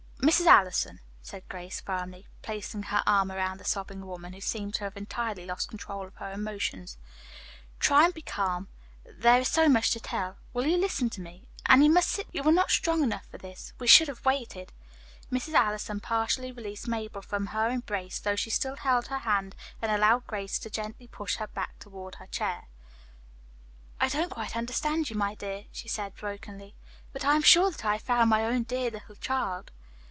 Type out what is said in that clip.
"Mrs. Allison," said Grace firmly, placing her arm around the sobbing woman, who seemed to have entirely lost control of her emotions, "try and be calm. There is so much to tell. Will you listen to me? And you must sit down, you were not strong enough for this. We should have waited." Mrs. Allison partially released Mabel from her embrace, though she still held her hand, and allowed Grace to gently push her back toward her chair. "I don't quite understand you, my dear," she said brokenly. "But I am sure that I have found my own dear little child."